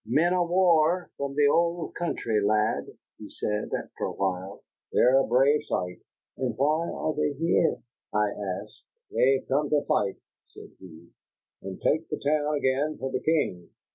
"Men o' war from the old country, lad," he said after a while. "They're a brave sight." "And why are they here?" I asked. "They've come to fight," said he, "and take the town again for the King."